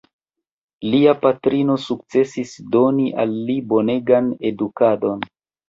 Lia patrino sukcesis doni al li bonegan edukadon.